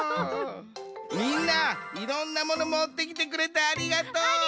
みんないろんなモノもってきてくれてありがとう。